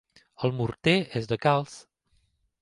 El morter és de calç.